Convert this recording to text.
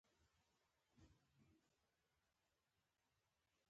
هغوی د سدوزیو تر منځ د سیالۍ څخه ګټه پورته کړه.